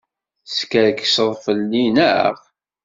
Teskerkseḍ fell-i, naɣ?